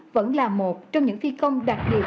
vẫn là một trong những phi công đặc biệt